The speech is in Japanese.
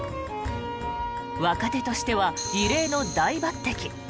若手としては異例の大抜てき。